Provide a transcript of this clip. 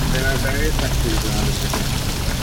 There are various factories around the city.